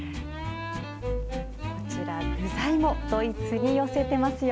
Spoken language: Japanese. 具材もドイツに寄せてますよ。